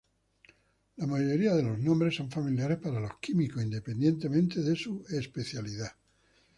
La mayoría de los nombres son familiares para los químicos, independientemente de su especialidad.